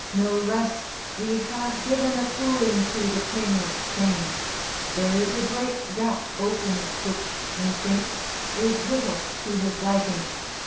No less We have given a cooling to the King of Spain. There is a great gap opened which, methinks, Is little to his liking.